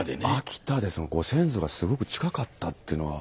秋田でそのご先祖がすごく近かったっていうのは。